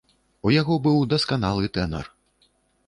У яго быў дасканалы тэнар.